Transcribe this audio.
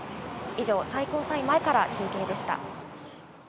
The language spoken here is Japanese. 以上、最高裁前から中継でした。